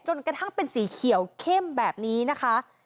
กระทั่งเป็นสีเขียวเข้มแบบนี้นะคะ